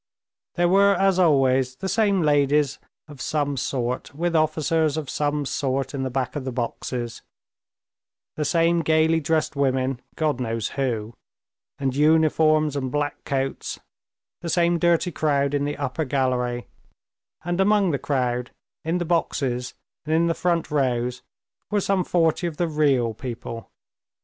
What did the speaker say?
There were, as always, the same ladies of some sort with officers of some sort in the back of the boxes; the same gaily dressed women—God knows who—and uniforms and black coats; the same dirty crowd in the upper gallery; and among the crowd, in the boxes and in the front rows, were some forty of the real people.